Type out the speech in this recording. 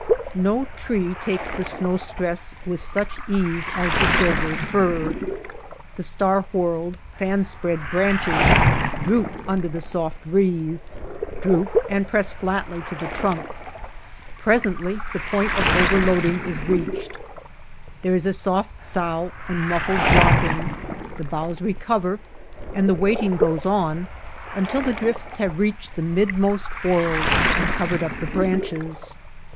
No tree takes the snow stress with such ease as the silver fir. The star whorled, fan spread branches droop under the soft wreaths — droop and press flatly to the trunk; presently the point of overloading is reached, there is a soft sough and muf fled dropping, the boughs recover, and the weighting goes on until the drifts have reached the midmost whorls and covered up the branches.